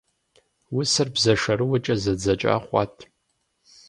Усэр бзэ шэрыуэкӀэ зэдзэкӀа хъуат.